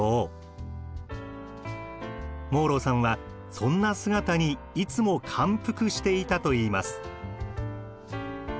モーロウさんはそんな姿にいつも感服していたといいます。